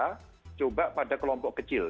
kalau saya mau uji coba coba pada kelompok kecil